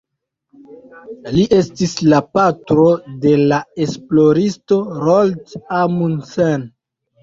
Li estis la patro de la esploristo Roald Amundsen.